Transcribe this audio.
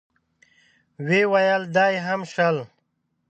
ويې ويل: دا يې هم شل.